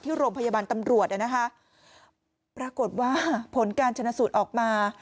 โรงพยาบาลตำรวจนะคะปรากฏว่าผลการชนะสูตรออกมา